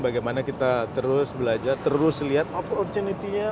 bagaimana kita terus belajar terus lihat opportunity nya